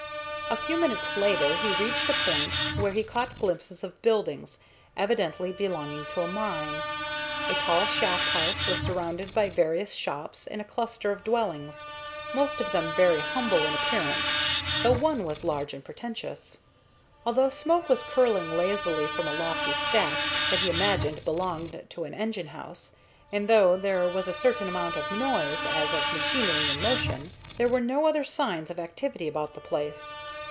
A few minutes later he reached a point where he caught glimpses of buildings, evidently belonging to a mine. A tall shaft house was surrounded by various shops and a cluster of dwellings, most of them very humble in appearance, though one was large and pretentious. Although smoke was curling lazily from a lofty stack, that he imagined belonged to an engine house, and though there was a certain amount of noise, as of machinery in motion, there were no other signs of activity about the place.